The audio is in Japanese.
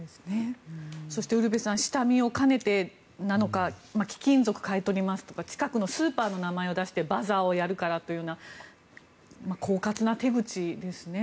そして、ウルヴェさん下見を兼ねてなのか貴金属買い取りますとか近くのスーパーの名前を出してバザーをやるからというようなこうかつな手口ですね。